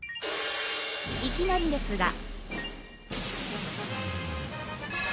いきなりですが。